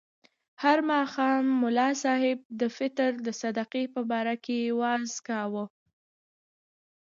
هر ماښام ملا صاحب د فطر د صدقې په باره کې وعظ کاوه.